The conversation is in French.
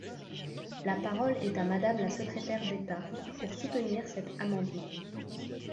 La parole est à Madame la secrétaire d’État, pour soutenir cet amendement.